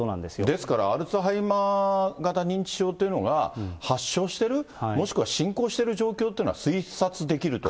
ですからアルツハイマー型認知症というのが発症してる、もしくは進行している状況というのは推察できると。